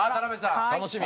楽しみ！